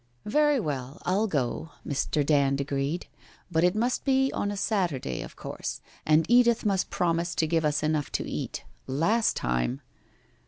' Very well, I'll go,' Mr. Dand agreed, ' but it must be on a Saturday, of course, and Edith must promise to give us enough to eat. Last time